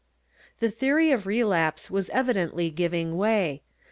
The theory of relapse was evidently giving way.